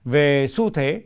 về xu thế